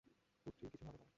কুট্টির কিছু হবে না।